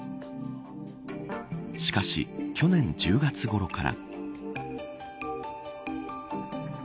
しかし、去年１０月ごろから。